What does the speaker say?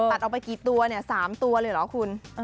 ตัดออกไปกี่ตัวเนี่ย๓ตัวเลยเหรอคุณ